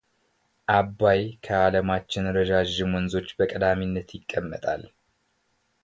አባይ ከዓለማችን ረዛዥም ወንዞች በቀዳሚነት ይቀመጣል።